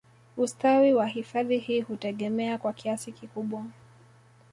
Ustawi wa hifadhi hii hutegemea kwa kiasi kikubwa